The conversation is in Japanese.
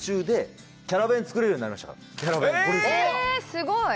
すごい！